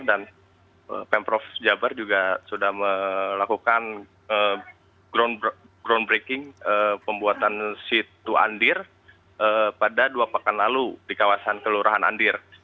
dan pemprov jabar juga sudah melakukan groundbreaking pembuatan situ andir pada dua pekan lalu di kawasan kelurahan andir